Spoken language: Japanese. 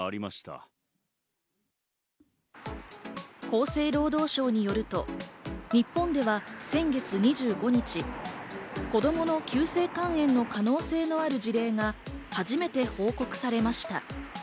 厚生労働省によると、日本では先月２５日、子供の急性肝炎の可能性のある事例が初めて報告されました。